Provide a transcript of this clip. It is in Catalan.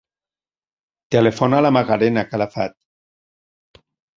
Telefona a la Macarena Calafat.